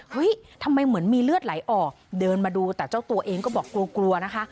เฮ้ยทำไมเหมือนมีเลือดไหลออกเดินมาดูแต่เจ้าตัวเองก็บอกกลัวกลัวนะคะ